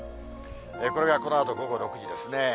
これがこのあと午後６時ですね。